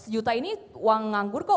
seratus juta ini uang nganggur kok